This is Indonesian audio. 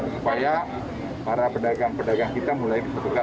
supaya para pedagang pedagang kita mulai diperlukan